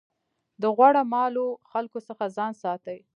د غوړه مالو خلکو څخه ځان ساتئ.